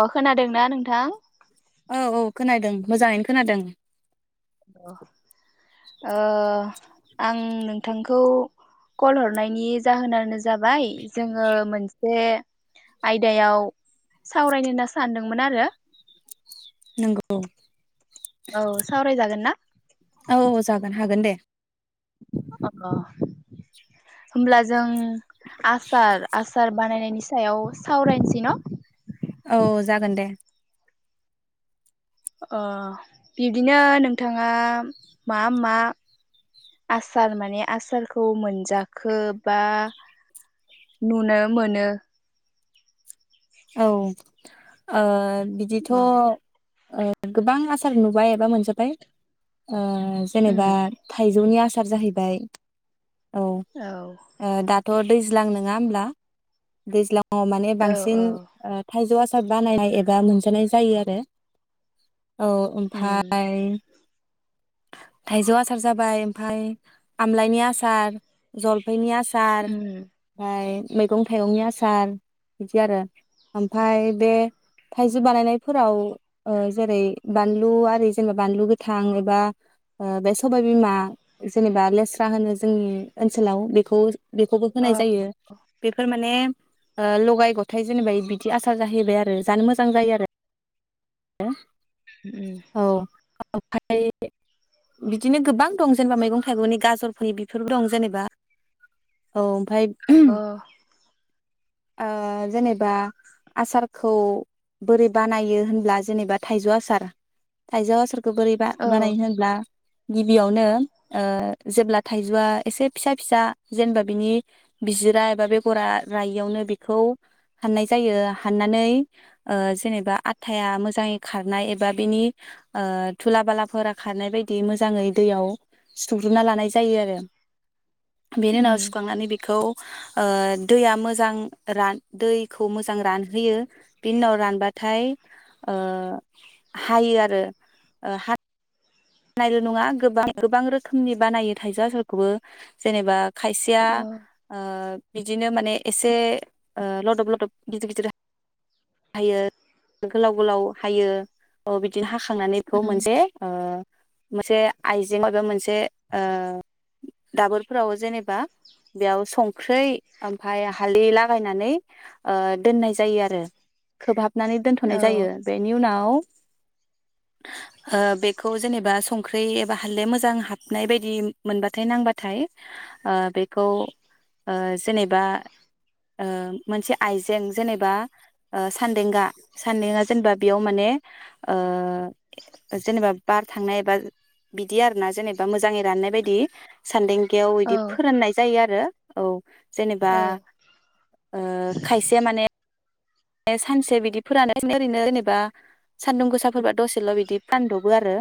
अ खोनादोंना नोंथां? औ औ खोनादों मोजाङैनो खोनादों। अ ओ आं नोंथांखौ कल हरनायनि जाहोनानो जाबाय जोङो मोनसे आयदायाव सावरायनो होनना सानदोंमोन आरो नोंगौ औ सावरायजागोन ना औ जागोन हागोन दे अ होमब्ला जों आसार आसार बानायनायनि स सायाव सावरायनसै न' औ जागोन दे अ बिब्दिनो नोंथाङा मा मा आसार माने आसारखौ मोनजाखो बा नुनो मोनो औ ओ बिदिथ' ओ गोबां आसार नुबाय एबा मोनजाबाय। ओ उम जेनेबा थाइजौनि आस सार जाहैबाय औ थ दैज्लां नोङा होमबा दैज्लां अ माने औ बांसिन औ थाइजौ आसार बानायनाय एबा मोनजानाय जायो आरो औ उम ओमफाय थाइजौ आसार जाबाय ओमफाय आमलाइनि आसार जल नि आसार उम ओमफाय मैगं थाइगंनि आसार बिदि आरो ओमफाय बे थाइजौ बानायनायफोराव ओ जेरै बानलु आरि जेनेबा बानलु गोथां एबा बे सबायबिमा जेनेबा लेस्रा होनो जोंनि ओनसोलाव बेखौ बेखौबो होनाय औ जायो बेफोर माने ओ लगाय गथाय जेनेबा बिदि बिदि आसार जाहैबाय आरो जानो मोजां जायो आरो [unintelligible] उम औ ओमफ्राय बिदिनो गोबां दं जेनेबा मैगं थाइगंनि गाजरफोरनि बेफोरबो दं जेनेबा औ ओमफाय औ ओ जेनेबा आसारखौ बोरै बानायो होनब्ला जेनेबा थाइजौ आसार थायजौ आसार बोरै बा औ बानायनो होनब्ला गिबियावनो ओ जेब्ला थाइजौआ एसे फिसा फिसा जेनेबा बिनि बिजिरा एबा बेगरा रायियावनो बेखौ हाननाय जायो हाननानै जेनेबा आटाया मोजाङै खारनाय एबा बेनिओ दुला बालाफोरा खारनाय बायदि मोजाङै दैयाव सुग्रोना लानाय जायो आरो बेनि उम उनाव सुखांनानै बेखौ ओ दैया मोजां रान दैखौ मोजां रानहोयो बि उनाव रानबाथाय ओ हायो आरो ओ हा बानायल' नङा गोबां गोबां रोखोमनि बानायो थाइजौ आसारखौबो जेनेबा खायसेया औ ओ बिदिनो माने ओ एसे लदब लदब गिदिर गिदिर हायो गोलाव गोलाव हायो ओ बिदिनो हाखा खांनानै बेखौ उम मोनसे ओ मोनसे आइजें एबा मोनसे ओ दाबोरफोराव जेनेबा बेयाव संख्रै ओमफाय हालदै लागायनानै ओ दोननाय जायो आरो खोबहाब नानै दोनथ'नाय औ जायो बेनि उनाव ओ बेखौ जेनेबा बा संख्रि एबा हालदे मोजां हाबनाय बायदि मोनबाथाय नांबाथाय बेखौ ओ जेनेबा ओ मोनसे आइजें जेनेबा ओ सान्देंगा सानदेंगा जेनेबा बेयाव माने ओ जेनेबा बार थांनाय एबा बिदि आरोना जेनेबा मोजाङै राननाय बायदि सान्दें ब्लियाव औ इदि फोरान्नाय जायो आरो औ जेनेबा औ ओ खायसेया माने सानसे बिदि फोरानो [inaudible] ओरैनो जेनेबा सानदुं गोसाफोरबा दसेल' बिदि फानदबो आरो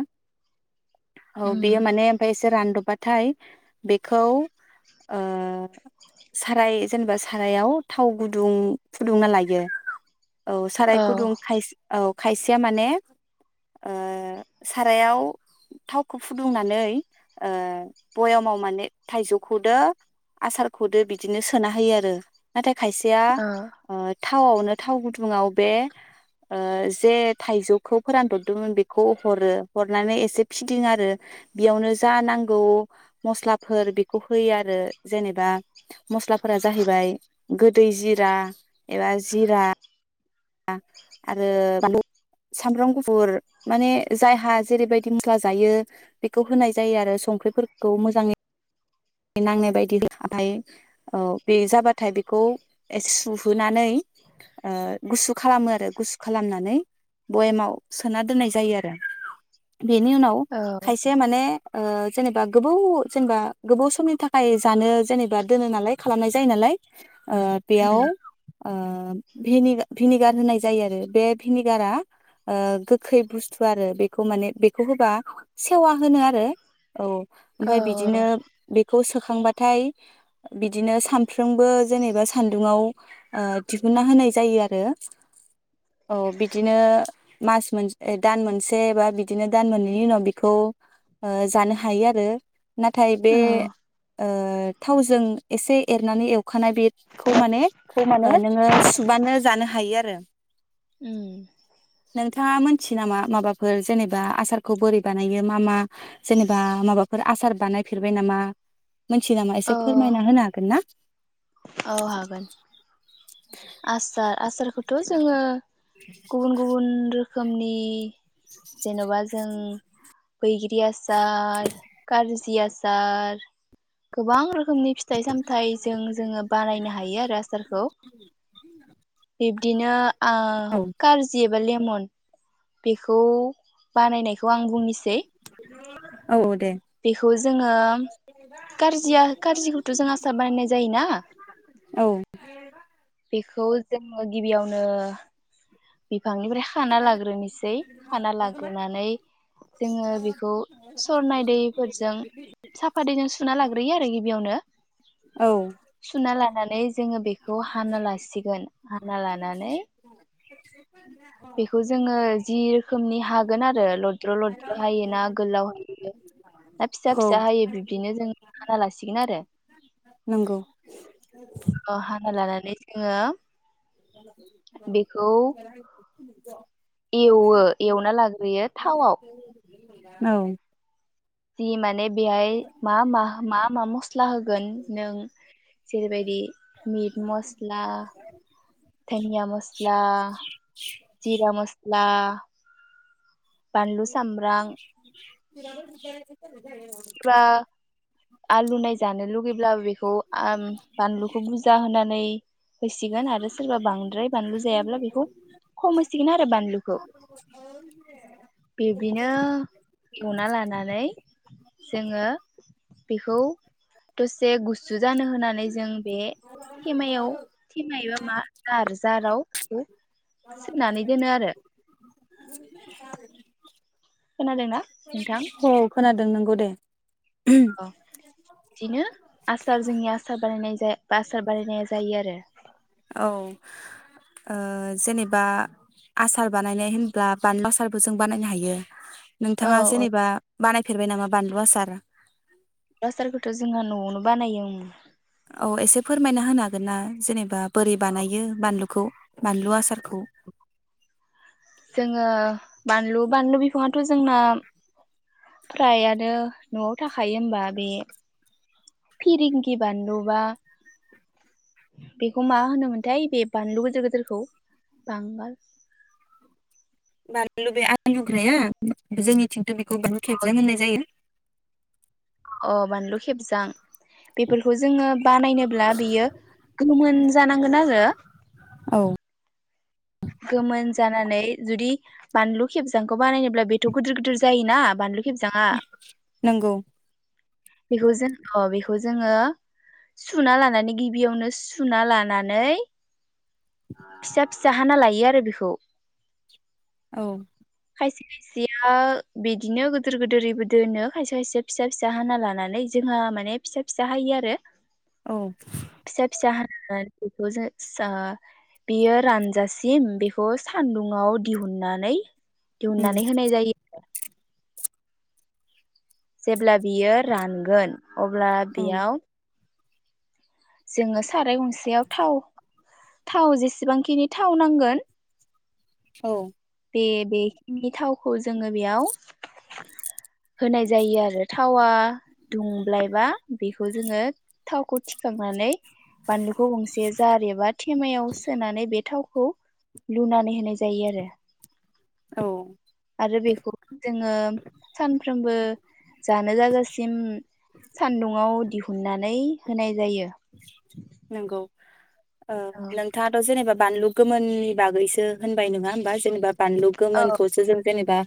औ उम बेयो माने ओमफाय एसे रानदब बा थाय बेखौ ओ साराय जेनेबा सारायाव थाव गुदुं फुदुंना लायो औ साराय गुदुं खायसे औ खायसेया माने ओ सारायाव थावखौ फुदुंनानै ओ बयामाव माने थाइजौ खोदो आसार खदो बिदिनो सोना होयो आरो नाथाय खायसेया औ ओ थावावनो थाव गुदुङाव बे ओ जे थाइजौखौ फोरानदरदोंमोन बेखौ हरो हरनानै एसे फिदिं आरो बेयावनो जा नांगौ मस्लाफोर बेखौ होयो आरो जेनेबा मस्लाफोरा जाहैबाय गोदै जिरा एबा जिरा ना आरो बानलु सामब्राम गुफुर माने जायहा जेरैबायदि मस्ला जायो बेखौ होनाय जायो आरो संख्रिफोरखौ मोजाङै नांनाय बायदि ओमफ्राय औ बे जाबाथाय बेखौ एसे सुहोनानै ओ गुसु खालामो आरो गुसु खालामनानै बयेमाव सोना दोननाय जायो आरो बिनि उनाव खायसे माने ओ जेनेबा गोबाव जेनेबा गोबाव समनि थाखाय जानो जेनेबा दोनो नालाय खालामनाय जायो नालाय ओ बेयाव उम ओ भिनि भिनिगार होनाय जायो आरो बे भिनिगारा गोखै बुस्थु आरो बेखौ माने बेखौ होबा सेवा होनो आरो औ औ ओमफाय बिदिनो खौ सोखांबाथाय बिदिनो सानफ्रोमबो जेनेबा सान्दुाव ओ दिहुनना होनाय जायो आरो औ बिदिनो मास मोन दान मोनसे बा बिदिनो दान मोननैनि उनाव बिखौ जानो हायो आरो नाथाय बे औ ओ थावजों एसे एरनानै एवखानाय बे खौ माने खौ माने नोङो सुबानो जानो हायो आरो आरो उम थाङा मोनथियो नामा माबाफोर जेनेबा आसारखौ बोरै बानायो मा मा जेनेबा माबाफोर आसार बानाय फेरबाय नामा मोनथियो नामा एसे औ फोरमायना होनो हागोन ना औ हागोन थ' जोङो गुबुन गुबुन रो खोमनि जेन'बा जों बैग्रि आसार खारजि जि आसार गोबां रो रोखोमनि फिथाइ सामथायजों जोङो बानायनो हायो आरो आसारखौ बिब्दिनो आ औ खारजि एबा लेमन बेखौ बानायनायखौ आं बुंनिसै औ औ दे जोङो कारजिया कारजिखौथ' जों आसार बानायनाय जायोना औ बेखौ जोङो गिबियावनो बिफांनिफ्राय खाना लाग्रोनोसै खाना लाग्रोनानै जोङो बेखौ सरनाय दैफोरजों साफा दैजों सुना लाग्रोयो आरो गिबियावनो औ सुना लानान जोङो बेखौ हाना लासिगोन हाना लानानै [inaudible] बेखौ जोङो जि रोखोमनि हागोन आरो लद्र' लद्र' हायो ना गोलाव हायो ना फिसा औ फिसा हायो बिब्दिनो जों हाना लासिगोन आरोे नोंगौ ना लानानै जोङो बेखौ [inaudible] एवो एवना लाग्रोयो थावआव औ जि माने बेहाय मा मा मा मा मस स्ला होगोन नों जेरैबायदि मिट मस्ला दानिया मस्ला जिरा मस्ला [inaudible] बानलु सामब्राम [inaudible] फोरा आलु नाय जानो लुुबैब्ला बेखौ आम बानलुखौ बुरजा होनानै होसिगोन आरो सोरबा बांद्राय बानलु जायाब्ला बेखौ खम होसिगोन आरो बानलुखौ बिब्दिनो एवना लानानै जोङो बेखौ दसे गुसु जानो होनानै जों बे थेमायाव थेमा एबा मा जार जाराव एखौ सोनानै दोनो आरो [inaudible] खोनादोंना नोंथां औ खोनादों नोंगौ दे [inaudible] अ बिदिनो आसार जोंनि आसार बानायनाय जा आसार बानायायनाय जायो आरो औ ओ जेनेबा आसार बानायनाय होनब्ला बानलु आसारबो जों बानायनो हायो औ नोंथाङा औ जेनेबा बानायफेरबाय नामा बान्लु आसार आसारखौथ' जोंहा न'आवनो बानायो उम औ एसे फोरमायना होनो हागोन ना जेनेबा बोरै बानायो बानलु खौ बानलु आसारखौ जोङो बानलु बानलु बिफाङाथ' जोंना फ्राय आनो न'आव थाखायो होमबा बे फिरिंगि बानलु बा बेखौ मा होनोमोनथाय बे बानलु गोदोर गोदोरखौ बांगाल बानलु बे आलुग्राया जोंनिथिं बि खौ बानलु खेबजां होननाय जायो अ बानलु खेबजां बेफोर खौ जोङो बनाय नोब्ला बेयो गोमोन जानांगोन आरो औ गोमोन जानानै जुदि बानलु खेबजांखौ बानायनोब्ला बेथ' गोदोर गोदोर जायोना बानलु खेबजाङा नोंगौ बेखौ जों अ बेखौ जोङो सुना लानानै गिबियावनो सुना लानानै फिसा फिसा हाना लायो आरो बेखौ औ खायसे खायसेया बिदिनो गिदोर गोदोरैबो दोनो खायसे खायसेया फिसा फिसा हाना लानानै जोंहा माने फिसा फिसा हायो आरो औ फिसा फिसा हाना बेखौ जों [unintelligible] बियो रानजा सिम बेखौ सान्दुं आव दिहुननानै उम दिहुननानै होनाय जायो [inaudible] जेब्ला बियो रानगोन अब्ला बियाव जोङो साराय गंसेयाव थाव थाव जेसेबांखिनि थाव नांगोन औ बे बेखिनि थावखौ जोङो बेयाव होनाय जायो आरो थावा दुंब्लायबा बेखौ जोङो थावखौ थिखांनानै बानलुखौ गंसे जार एबा थेमायाव सोनानै बे थावखौ लुनानै होनाय जायो आरो औ आरो बेखौ जोङो सानफ्रोमबो जानो जाजासिम सान्दुंङाव दिहुननानै होनाय जायो नोंगौ ओ नोंथाङाथ' जेनेबा बानलु गोमोननि बागैसो होनबाय नङा होमबा जेनेबा बानलु औ गोमोनखौ जों जेनेबा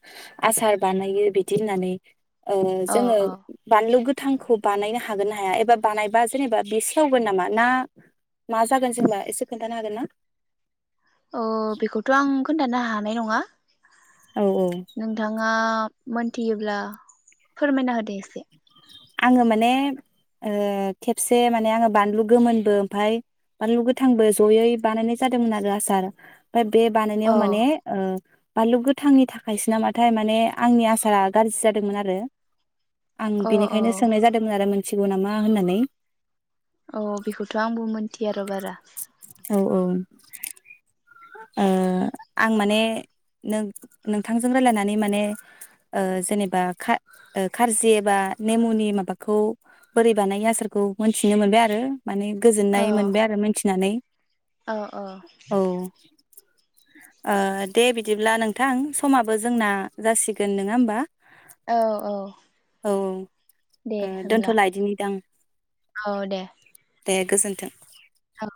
आसार बानायो बिदि होननानै ओ औ जोङो औ बानलु गोथ थांखौ बानायनो हागोन ना हाया एबा बानायबा जेनेबा बेसे थौगोन नामा ना मा जागोन जेनबा एसे खोन्थानो हागोन ना अ बेखौथ' आं खोन्थानो हानाय नङा औ औ नोंथाङा मोनथियोब्ला फोरमायना होदो एसे आङो माने ओ खेबसे माने आङो बानलु गोमोनबो ओमफाय बानलु गोथांबो जयै बानायनाय जादोंमोन आरो आसार ओमफाय बे बानायनायाव अ माने ओ बानलु गोथांनि थाखायसो नामाथाय माने आंनि आसारा गाज्रि जादोंमोन आरो आं अ अ बिनिखायनो सोंनाय जादोंमोन आरो मोन थिगौ नामा होननानै औ बेखौथ' आंबो मिनथियार' बारा [inaudible] ओ आं माने नों नोंथांजों रायलायनानै माने ओ जेनेबा खारजि एबा नेमुनि माबाखौ बोरै बानाय आसारखौ मोनथिनो मोनबाय आरो माने औ गोजोननाय मोनबाय आरो मिनथिनानै औ औ ओ दे बिदिब्ला नोंथां समाबो जोंना जासिगोन नोङा होमबा औ औ औ दे ओ होनब्ला दोनथ'लायदिनि दां औ दे दे गोजोन्थों औ